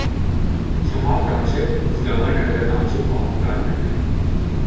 Shamong Township is governed under the Township form of government.